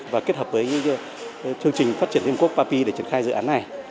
và kết hợp với chương trình phát triển thêm quốc papi để triển khai dự án này